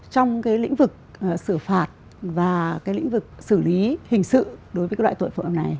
trong cái lĩnh vực xử phạt và cái lĩnh vực xử lý hình sự đối với cái loại tội phạm này